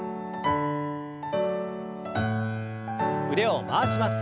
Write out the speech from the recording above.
腕を回します。